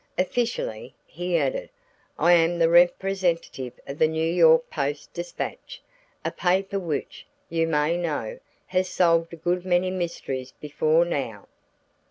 Officially," he added, "I am the representative of the New York Post Dispatch, a paper which, you may know, has solved a good many mysteries before now.